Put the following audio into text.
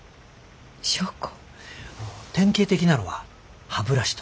典型的なのは歯ブラシとか靴とか。